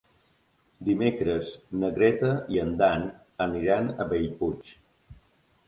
Dimecres na Greta i en Dan aniran a Bellpuig.